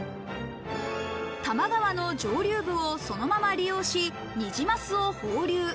多摩川の上流部をそのまま利用し、ニジマスを放流。